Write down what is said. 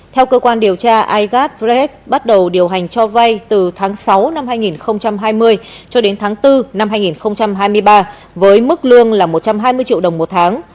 theo cơ quan điều tra igat rex bắt đầu điều hành cho vay từ tháng sáu năm hai nghìn hai mươi cho đến tháng bốn năm hai nghìn hai mươi ba với mức lương là một trăm hai mươi triệu đồng một tháng